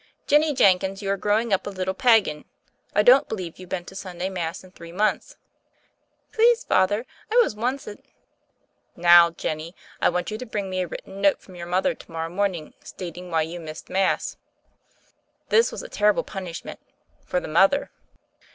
"Jennie Jenkins, you're growing up a little Pagan ! I don't believe you've been to Sunday Mass in three months." "Please, Father, I was oncet." "Now, Jennie, I want you to bring me a writ ten note from your mother to morrow morning stating why you missed Mass." This was a terrible punishment — for the mother!